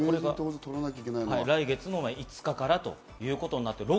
来月の５日からということになってます。